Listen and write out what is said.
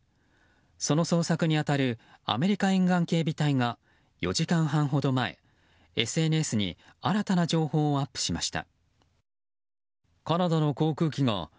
その捜索に当たるアメリカ沿岸警備隊が４時間半ほど前、ＳＮＳに新たな情報をアップしました。